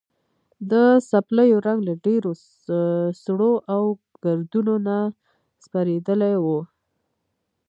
د څپلیو رنګ له ډېرو سړو او ګردونو نه سپېرېدلی و.